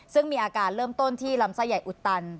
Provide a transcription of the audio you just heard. ซึ่งมีอาการเริ่มต้นที่ลำไส้ใหญ่อุดตัน